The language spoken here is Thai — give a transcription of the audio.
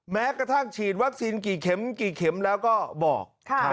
แม้กระทั่งฉีดวัคซีนกี่เข็มกี่เข็มแล้วก็บอก